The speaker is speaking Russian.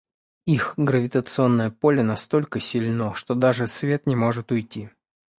Их гравитационное поле настолько сильно, что даже свет не может уйти.